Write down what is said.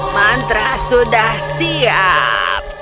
mantra sudah siap